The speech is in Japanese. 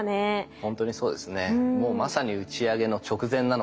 本当にそうですね。